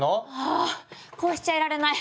あこうしちゃいられない。